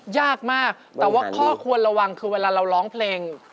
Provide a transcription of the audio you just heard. ยากมากแต่ว่าข้อควรระวังคือเวลาเราร้องเพลง